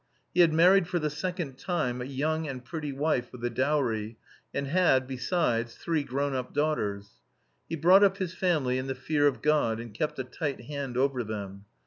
He had married for the second time a young and pretty wife with a dowry, and had, besides, three grown up daughters. He brought up his family in the fear of God, and kept a tight hand over them.